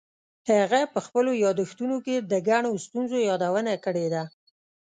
هغه په خپلو یادښتونو کې د ګڼو ستونزو یادونه کړې ده.